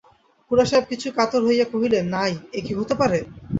খুড়াসাহেব কিছু কাতর হইয়া কহিলেন, নাই, এ কি হতে পারে?